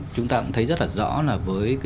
chúng ta cũng thấy rất là rõ là với